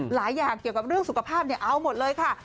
หลายอย่างเกี่ยวกับเรื่องสุขภาพเอาหมดเลยค่ะ